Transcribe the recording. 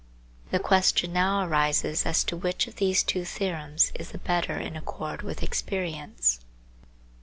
The question now arises as to which of these two theorems is the better in accord with experience.